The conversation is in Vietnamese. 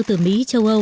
từ mỹ châu âu